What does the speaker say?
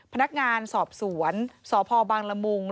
พนักงานสอบสวนสพบางละมุง